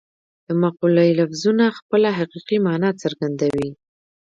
د مقولې لفظونه خپله حقیقي مانا څرګندوي